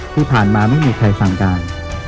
ที่ผ่านมาไม่มีใครสั่งการ